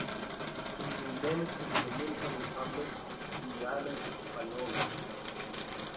It is endemic to the Dominican Republic in the island of Hispaniola.